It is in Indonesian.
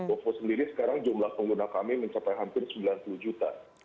ovo sendiri sekarang jumlah pengguna kami mencapai hampir sembilan puluh juta